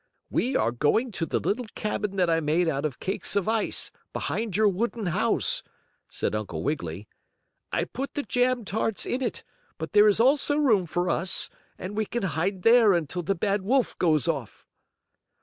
"We are going to the little cabin that I made out of cakes of ice, behind your wooden house," said Uncle Wiggily. "I put the jam tarts in it, but there is also room for us, and we can hide there until the bad wolf goes off."